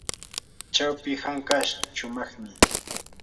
chawpi hanka shumaqmi.